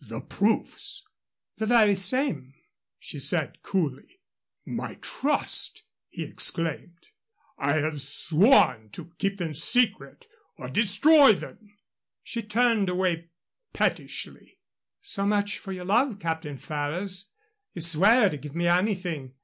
"The proofs " "The very same," she said, coolly. "My trust!" he exclaimed. "I have sworn to keep them secret or destroy them!" She turned away pettishly. "So much for your love, Captain Ferrers. You swear to give me anything.